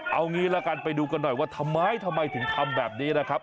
เอางี้ละกันไปดูกันหน่อยว่าทำไมทำไมถึงทำแบบนี้นะครับ